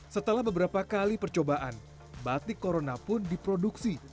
setelah beberapa kali percobaan batik corona pun diproduksi